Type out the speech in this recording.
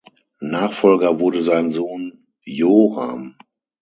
Nachfolger wurde sein Sohn Joram.